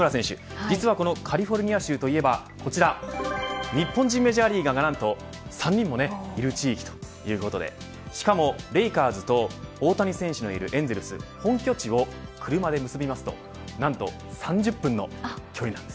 実はカリフォルニア州といえば日本人メジャーリーガーが３人もいる地域ということでしかもレイカーズと大谷選手のいるエンゼルス本拠地を車で結びますと何と３０分の距離なんです。